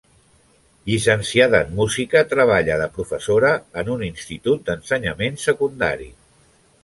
Llicenciada en música, treballa de professora en un institut d'ensenyament secundari.